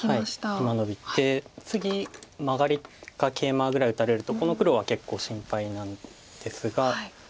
今ノビて次マガリかケイマぐらい打たれるとこの黒は結構心配なんですが。